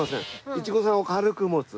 イチゴさんを軽く持つ。